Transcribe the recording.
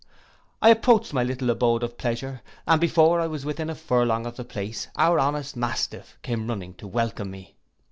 I approached my little abode of pleasure, and before I was within a furlong of the place, our honest mastiff came running to welcome me.